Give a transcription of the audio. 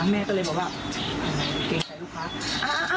แม่ก็เลยบอกว่าเกรงใจลูกค้าเอาไปตัดความร้องขายก็ให้ไป